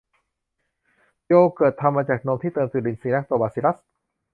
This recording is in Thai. โยเกิร์ต ทำมาจากนมที่เติมจุลินทรีย์แลคโตบาซิลลัส